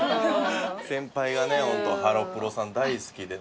先輩がねホントハロプロさん大好きでね。